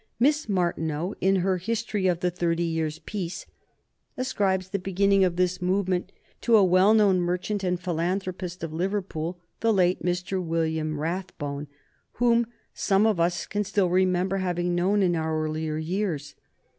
Miss Martineau, in her "History of the Thirty Years' Peace," ascribes the beginning of this movement to a once well known merchant and philanthropist of Liverpool, the late Mr. William Rathbone, whom some of us can still remember having known in our earlier years.